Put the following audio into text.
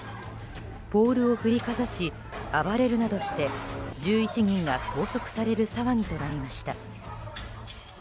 ポールを振りかざし暴れるなどして１１人が拘束される騒ぎとなりました。